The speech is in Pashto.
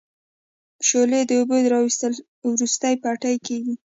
شولې د اوبو را وېستلو وروسته بټۍ کیږي.